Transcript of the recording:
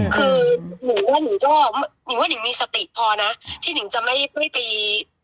คือนิงว่านิงมีสติกพอนะที่นิงจะไม่ไป